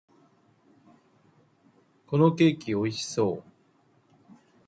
このケーキ、美味しそう！